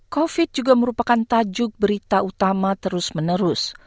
covid juga merupakan tajuk berita utama terus menerus